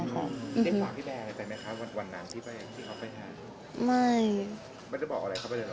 ได้ขอพี่แบร์ใจไหมคะวันหนังที่เขาไปทาน